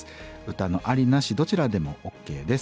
歌のありなしどちらでもＯＫです。